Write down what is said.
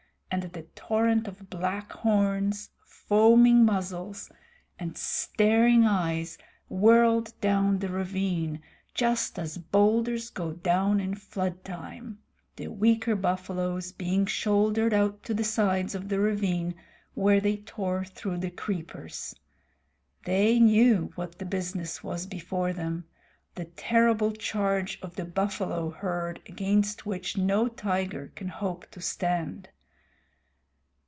and the torrent of black horns, foaming muzzles, and staring eyes whirled down the ravine just as boulders go down in floodtime; the weaker buffaloes being shouldered out to the sides of the ravine where they tore through the creepers. They knew what the business was before them the terrible charge of the buffalo herd against which no tiger can hope to stand.